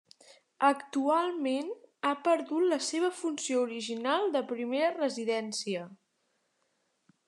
Actualment ha perdut la seva funció original de primera residència.